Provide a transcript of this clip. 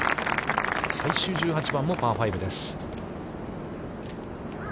最終１８番もパー５です。